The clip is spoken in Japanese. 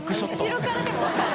後ろからでも分かる。